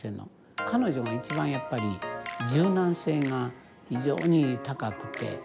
彼女が一番やっぱり柔軟性が非常に高くて。